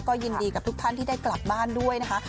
ก็ยินดีกับทุกท่านที่ได้กลับบ้านด้วยนะคะ